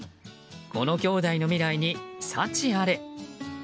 このきょうだいの未来に幸あれ。